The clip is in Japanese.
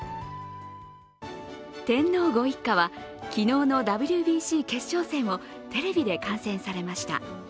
天皇ご一家は昨日のＷＢＣ決勝戦をテレビで観戦されました。